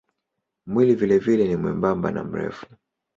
Mwili vilevile ni mwembamba na mrefu.